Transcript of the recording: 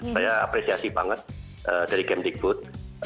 saya apresiasi banget dari kemdikbud